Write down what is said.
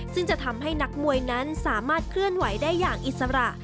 ซึ่งจะทำให้นักมวยนั้นสามารถเคลื่อนไหวได้อย่างอิสระ